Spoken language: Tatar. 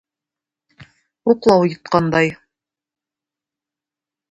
Уклау йоткандай.